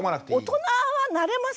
大人はなれますよ。